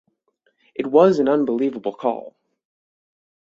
It was an unbelievable call.